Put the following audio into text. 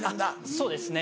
そうですね